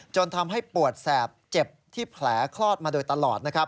จนทำให้ปวดแสบเจ็บที่แผลคลอดมาโดยตลอดนะครับ